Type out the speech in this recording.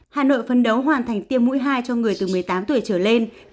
hà nội phân đấu hoàn thành tiêm mũi hai cho người từ một mươi tám tuổi trở lên